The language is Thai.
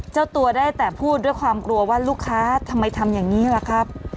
เจ้าตัวได้แต่พูดด้วยความกลัวว่าลูกค้าทำไมทำอย่างนี้ล่ะครับ